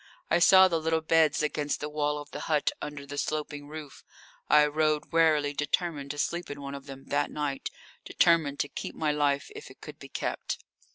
I saw the little beds against the wall of the hut under the sloping roof. I rode warily, determined to sleep in one of them that night, determined to keep my life if it could be kept.